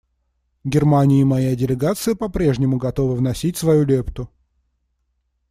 Германия и моя делегация по-прежнему готовы вносить свою лепту.